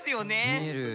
見える。